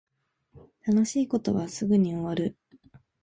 楽しい事はすぐに終わる